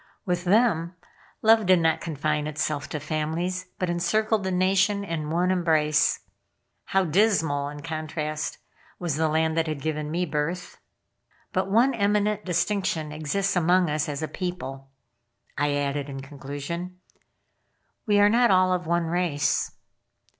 With them, love did not confine itself to families, but encircled the Nation in one embrace. How dismal, in contrast, was the land that had given me birth. "But one eminent distinction exists among us as a people," I added in conclusion. "We are not all of one race."